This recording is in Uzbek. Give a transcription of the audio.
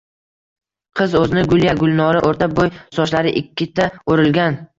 Qiz oʼzini Gulya — Gulnora; oʼrta boʼy, sochlari ikkita oʼrilgan